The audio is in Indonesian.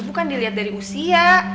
bukan dilihat dari usia